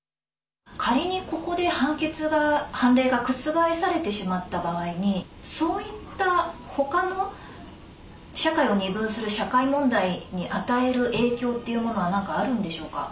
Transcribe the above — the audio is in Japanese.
仮に、ここで判決、判例が覆されてしまった場合にそういったほかの社会を二分する社会問題に与える影響っていうものは何かあるんでしょうか？